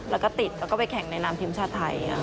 แล้วก็ติดแล้วก็ไปแข่งในนามทีมชาติไทย